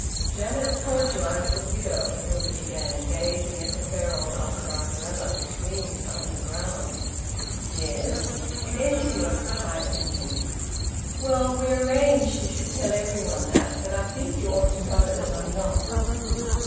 "Janet told you I was a widow," Hilda began, gazing at the ferule of her umbrella, which gleamed on the ground. "Yes." Again she was surprising him. "Well, we arranged she should tell every one that. But I think you ought to know that I'm not."